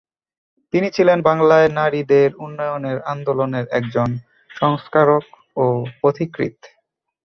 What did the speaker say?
তিনি ছিলেন বাংলায় নারীদের উন্নয়নের আন্দোলনের একজন সংস্কারক ও পথিকৃৎ।